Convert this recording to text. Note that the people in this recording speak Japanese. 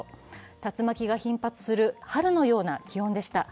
竜巻が頻発する春のような気温でした。